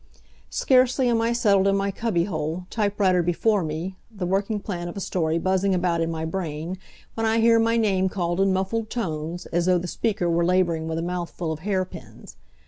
Scarcely am I settled in my cubby hole, typewriter before me, the working plan of a story buzzing about in my brain, when I hear my name called in muffled tones, as though the speaker were laboring with a mouthful of hairpins.